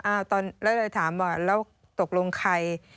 แล้วเลยถามว่าแล้วตกลงใคร